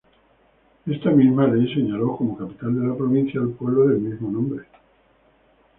Está misma ley señaló como capital de la provincia al pueblo del mismo nombre.